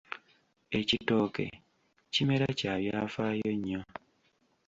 Ekitooke kimera kya byafaayo nnyo.